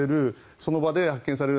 その場で発見される